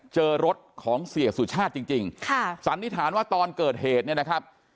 เจอรถของเสียสุชาติจริงจริงค่ะสันนิษฐานว่าตอนเกิดเหตุเนี่ยนะครับ